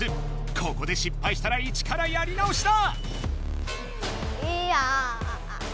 ここでしっぱいしたらイチからやり直しだ！